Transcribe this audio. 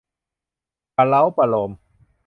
ประเล้าประโลม